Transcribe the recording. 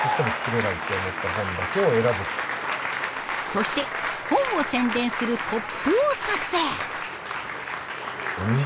そして本を宣伝するポップを作成。